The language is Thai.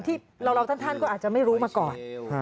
ที่เราท่านก็อาจจะไม่รู้มาก่อน